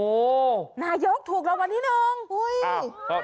โอ้โหนายกถูกรางวัลที่หนึ่งอุ้ย